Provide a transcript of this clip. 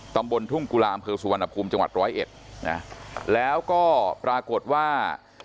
ตำบลทุ่งกุรามเผอร์สุวรรณภูมิจังหวัด๑๐๑แล้วก็ปรากฏว่า